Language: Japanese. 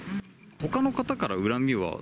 ほかの方から恨みは？